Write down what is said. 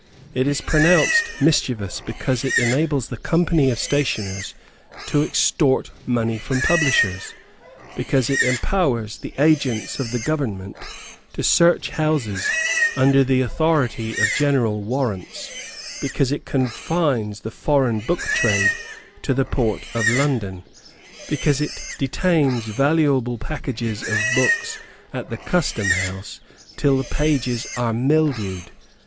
It is pronounced mischievous because it enables the Company of Stationers to extort money from publishers, because it empowers the agents of the government to search houses under the authority of general warrants, because it confines the foreign book trade to the port of London; because it detains valuable packages of books at the Custom House till the pages are mildewed.